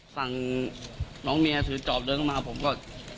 สั่งน้องเมียสื่อจอบด้วยเข้ามาผมก็